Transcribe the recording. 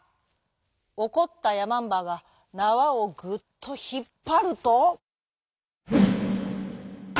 おこったやまんばがなわをグっとひっぱると。